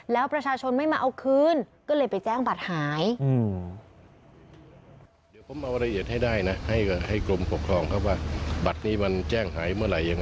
แล้วประชาชนไม่มาเอาคืนก็เลยไปแจ้งบัตรหาย